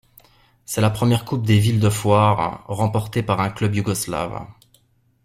C'est la première Coupe des villes de foires remportée par un club yougoslave.